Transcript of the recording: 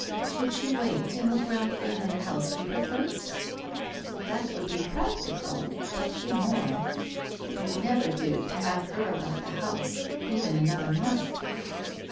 ... Should she wait and look round for another housekeeper first? That would be 170 WHITE ROSE OF WEARY LEAF practical, but immoral. It would never do to have her about the house even another month.